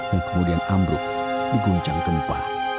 yang kemudian ambruk di guncang kempa